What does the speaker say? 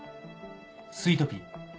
スイートピー。